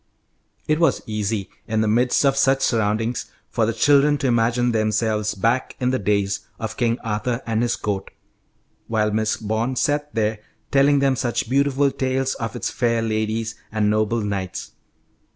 It was easy, in the midst of such surroundings, for the children to imagine themselves back in the days of King Arthur and his court, while Miss Bond sat there telling them such beautiful tales of its fair ladies and noble knights.